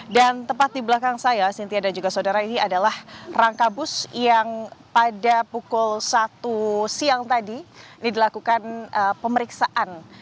dan tepat di belakang saya sintia dan juga saudara ini adalah rangka bus yang pada pukul satu siang tadi dilakukan pemeriksaan